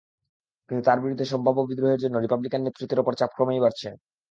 কিন্তু তাঁর বিরুদ্ধে সম্ভাব্য বিদ্রোহের জন্য রিপাবলিকান নেতৃত্বের ওপর চাপ ক্রমেই বাড়ছে।